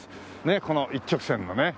ねえこの一直線のね。